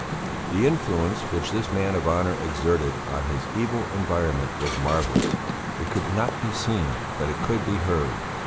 The influence which this man of honour exerted on his evil environment was marvellous; it could not be seen, but it could be heard.